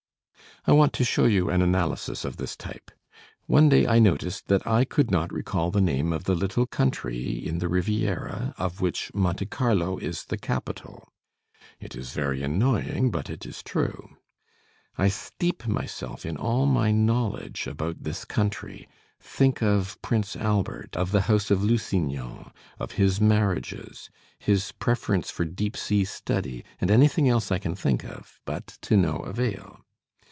I want to show you an analysis of this type. One day I noticed that I could not recall the name of the little country in the Riviera of which Monte Carlo is the capital. It is very annoying, but it is true. I steep myself in all my knowledge about this country, think of Prince Albert, of the house of Lusignan, of his marriages, his preference for deep sea study, and anything else I can think of, but to no avail.